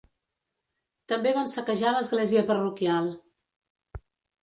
També van saquejar l'església parroquial.